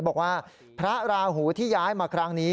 บอกว่าพระราหูที่ย้ายมาครั้งนี้